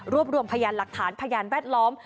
รวมรวมพยานหลักฐานพยานแวดล้อม